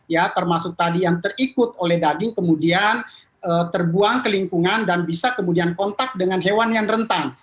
ya termasuk tadi yang terikut oleh daging kemudian terbuang ke lingkungan dan bisa kemudian kontak dengan hewan yang rentan